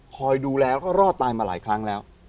ดูแล้วก็รอดตายมาหลายครั้งแล้ว